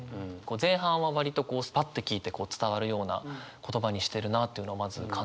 前半は割とこうスパッと聞いて伝わるような言葉にしてるなというのをまず感じて。